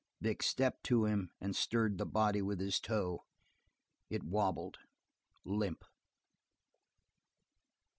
Vic stepped to him and stirred the body with his toe; it wobbled, limp.